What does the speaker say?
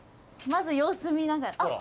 まず様子見ながら。